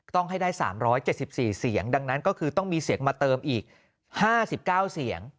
ต้องให้ได้๓๗๔เสียงดังนั้นก็คือต้องมีเสียงมาเติมอีก๕๙เสียง